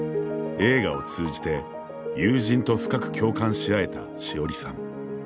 映画を通じて友人と深く共感し合えた汐里さん。